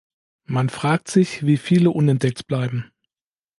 Man fragt sich, wie viele unentdeckt bleiben.